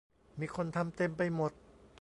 มีคนทำเต็มไปหมด